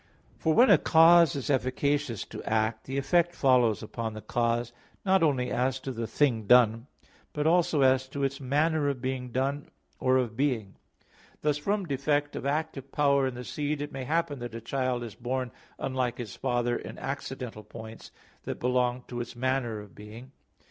For when a cause is efficacious to act, the effect follows upon the cause, not only as to the thing done, but also as to its manner of being done or of being. Thus from defect of active power in the seed it may happen that a child is born unlike its father in accidental points, that belong to its manner of being.